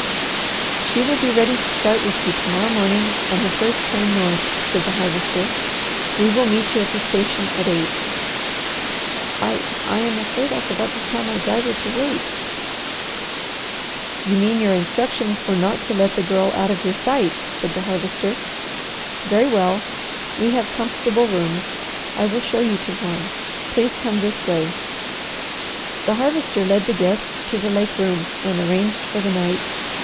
"She will be ready to start with you to morrow morning, on the first train north," said the Harvester. "We will meet you at the station at eight." "I I am afraid I forgot to tell my driver to wait." "You mean your instructions were not to let the Girl out of your sight," said the Harvester. "Very well! We have comfortable rooms. I will show you to one. Please come this way." The Harvester led the guest to the lake room and arranged for the night.